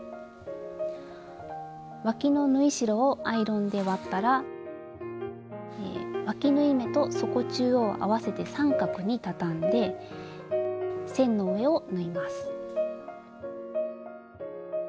わきの縫い代をアイロンで割ったらわき縫い目と底中央を合わせて三角に畳んで線の上を縫います。